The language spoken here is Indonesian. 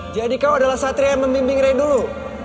jadi kau adalah satria yang membimbing ray dulu